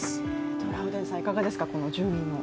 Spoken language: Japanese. トラウデンさん、いかがですか、この１０年の。